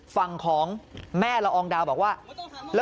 ฝั่งของแม่ละอองดาวบอกว่า